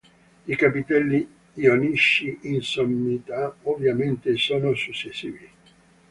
I capitelli ionici in sommità, ovviamente, sono successivi.